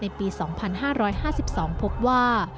ปี๒๕๕๒พบว่า